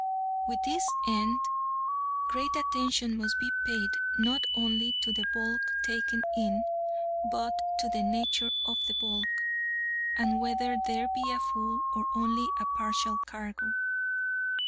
With this end, great attention must be paid, not only to the bulk taken in, but to the nature of the bulk, and whether there be a full or only a partial cargo.